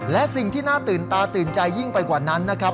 และสิ่งที่น่าตื่นตาตื่นใจยิ่งไปกว่านั้นนะครับ